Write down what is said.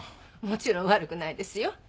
もちろん悪くないですよ。